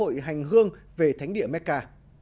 đây là lễ hội hành hương về thánh địa mecca